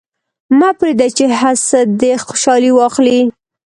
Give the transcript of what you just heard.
مه پرېږده چې حسد دې خوشحالي واخلي.